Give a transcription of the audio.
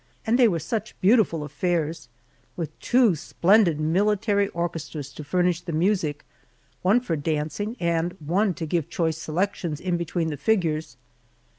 And they were such beautiful affairs, with two splendid military orchestras to furnish the music, one for the dancing and one to give choice selections in between the figures.